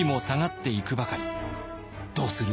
どうする？